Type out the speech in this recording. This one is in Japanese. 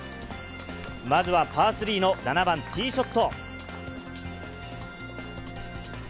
まずはパー３の７番ティーショット。